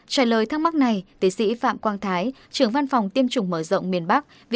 trả lời thắc mắc này tiến sĩ phạm quang thái trưởng văn phòng tiêm chủng mở rộng miền bắc